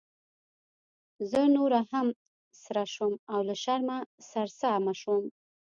زه نوره هم سره شوم او له شرمه سرسامه شوم.